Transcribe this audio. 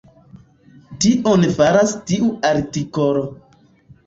Tion faras tiu artikolo.